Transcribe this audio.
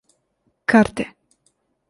карты